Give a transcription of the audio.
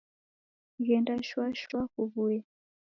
Ghenda shwa shwa kuwuye.